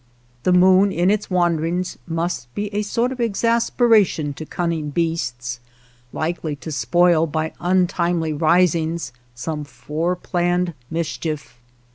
The moon in its /§ wanderings must be a sort of exasperation to cunning beasts, likely to spoil by un timely risings some fore planned mischief.